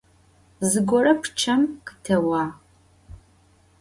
Zıgore pççem khıtêuağ.